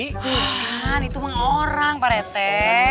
kan itu orang pak rete